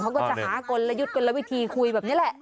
เขาก็จะหากลยุทธ์กลวิธีคุยแบบนี้แหละ